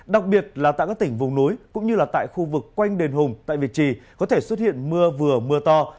đặc biệt là tại các tỉnh vùng núi cũng như là tại khu vực quanh đền hùng tại việt trì có thể xuất hiện mưa vừa mưa to